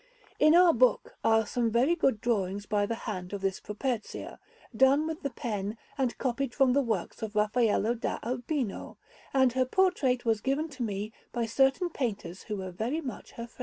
In our book are some very good drawings by the hand of this Properzia, done with the pen and copied from the works of Raffaello da Urbino; and her portrait was given to me by certain painters who were very much her friends.